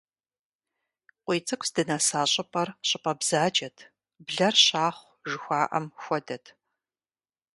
КъуийцӀыкӀу здынэса щӀыпӀэр щӀыпӀэ бзаджэт, блэр щахъу жыхуаӀэм хуэдэт.